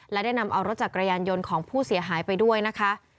และได้นำเอารถจักรยานยนต์ของผู้เสียหายไปด้วยนะคะ